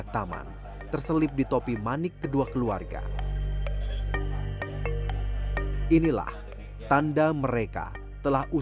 kami mengharapkan juga kepada bapak ibu